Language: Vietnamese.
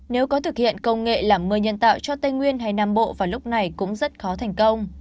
nếu có thực hiện công nghệ làm mưa nhân tạo cho tây nguyên hay nam bộ vào lúc này cũng rất khó thành công